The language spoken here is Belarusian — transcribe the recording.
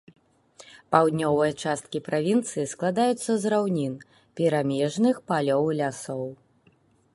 Паўднёвыя часткі правінцыі складаюцца з раўнін, перамежных палёў і лясоў.